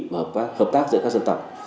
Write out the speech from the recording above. và hợp tác giữa các dân tộc